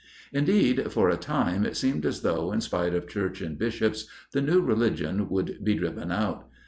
Indeed, for a time it seemed as though, in spite of Church and Bishops, the new religion would be driven out.